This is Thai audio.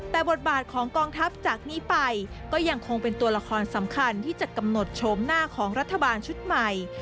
แต่บทบาทของกองทัพจากนี้ไปก็ยังคงเป็นตัวละครสำคัญที่จะกำหนดโฉมหน้าของรัฐบาลชุดใหม่